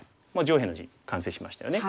上辺の地完成しましたよね。